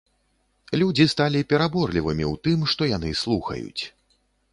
Людзі сталі пераборлівымі у тым, што яны слухаюць.